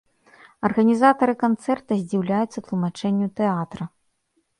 Арганізатары канцэрта здзіўляюцца тлумачэнню тэатра.